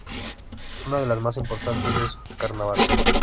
Una de las más importantes es su Carnaval.